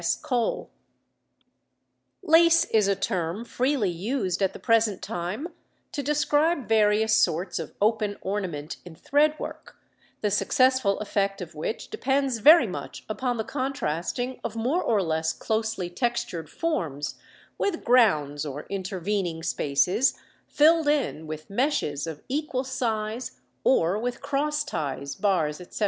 OF LACE Lace is a term freely used at the present time to describe various sorts of open ornament in thread work, the successful effect of which depends very much upon the contrasting of more or less closely textured forms with grounds or intervening spaces filled in with meshes of equal size or with cross ties, bars, etc.